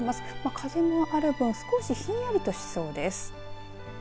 風もあるぶん少しひんやりとしそうです。